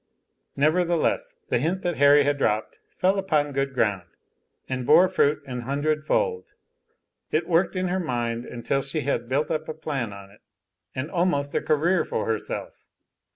Nevertheless, the hint that Harry had dropped fell upon good ground, and bore fruit an hundred fold; it worked in her mind until she had built up a plan on it, and almost a career for herself.